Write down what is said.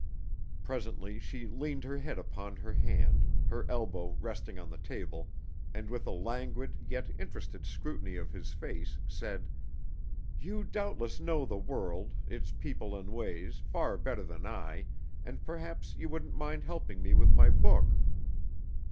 Presently she leaned her head upon her hand, her elbow resting on the table, and with a languid yet interested scrutiny of his face, said: "You doubtless know the world, its people and ways, far better than I, and perhaps you wouldn't mind helping me with my book."